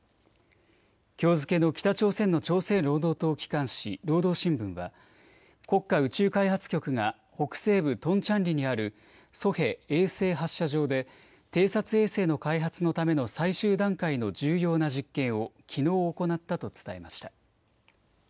きょう付けの北朝鮮の朝鮮労働党機関紙、労働新聞は国家宇宙開発局が北西部トンチャンリにあるソヘ衛星発射場で偵察衛星の開発のための最終段階の重要な実験をきのう行ったと伝えました。